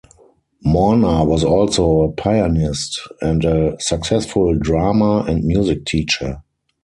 Morna was also a pianist and a successful drama and music teacher.